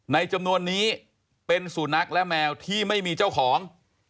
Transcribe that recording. จำนวนนี้เป็นสุนัขและแมวที่ไม่มีเจ้าของ